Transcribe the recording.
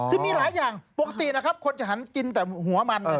คือมีหลายอย่างปกตินะครับคนจะหันกินแต่หัวมัน